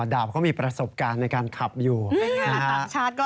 ดาบเขามีประสบการณ์ในการขับอยู่ดีง่ะตังชาติ